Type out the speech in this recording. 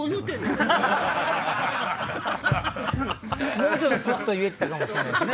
もうちょっとスッと言えてたかもしれないですね。